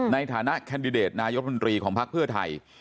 ในฐานะแคนดิเดตนายกรมนตรีของพักเพื่อไทย